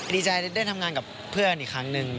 ดีใจได้ทำงานกับเพื่อนอีกครั้งหนึ่ง